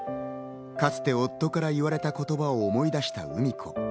かつて夫から言われた言葉を思い出したうみ子。